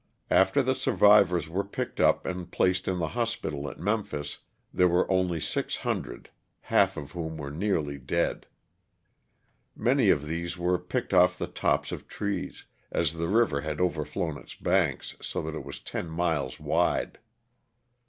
After the survivors were picked up and placed in the hospital at Memphis there were only six hundred, half of whom were nearly dead. Many of these were picked off of the tops of trees, as the river had overflown its banks so that it was ten miles wide.